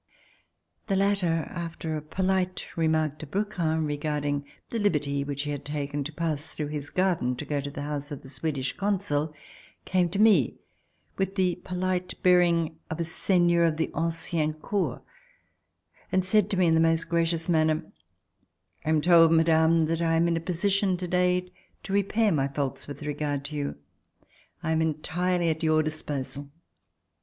The latter, after a polite remark to Brouquens regarding the liberty which he had taken to pass through his garden to go to the house of the Swedish Consul, came to me with the polite bearing of a seigneur of the ancienne cour, and said to me in the most gracious manner: "I am told, Madame, that I am in a position to day to repair my faults with regard to you. I am entirely at your disposal."